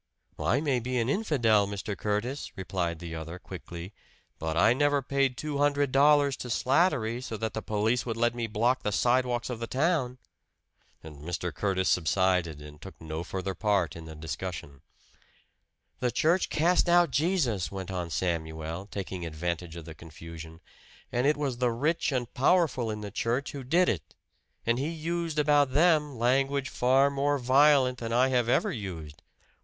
"I may be an infidel, Mr. Curtis," replied the other, quickly; "but I never paid two hundred dollars to Slattery so that the police would let me block the sidewalks of the town." And Mr. Curtis subsided and took no further part in the discussion. "The church cast out Jesus!" went on Samuel, taking advantage of the confusion. "And it was the rich and powerful in the church who did it. And he used about them language far more violent than I have ever used.